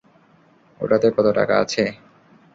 ওটাতে কত টাকা আছে?